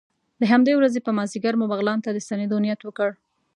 د همدې ورځې په مازدیګر مو بغلان ته د ستنېدو نیت وکړ.